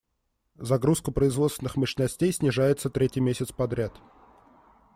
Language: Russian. Загрузка производственных мощностей снижается третий месяц подряд.